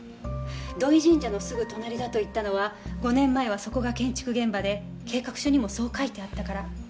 「土居神社のすぐ隣」だと言ったのは５年前はそこが建築現場で計画書にもそう書いてあったから。